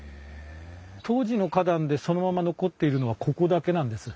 当時の花壇でそのまま残っているのはここだけなんです。